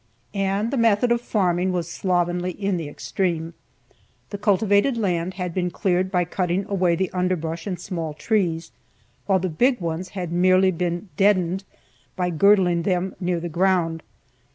And the method of farming was slovenly in the extreme. The cultivated land had been cleared by cutting away the underbrush and small trees, while the big ones had merely been "deadened," by girdling them near the ground.